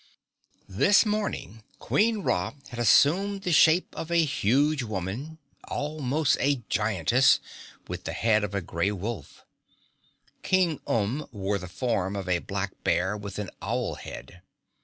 This morning Queen Ra had assumed the shape of a huge woman almost a giantess with the head of a grey wolf. King Umb wore the form of a black bear with an owl head.